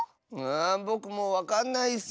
ぼくもうわかんないッス。